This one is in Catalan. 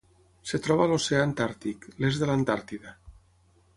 Es troba a l'oceà Antàrtic: l'est de l'Antàrtida.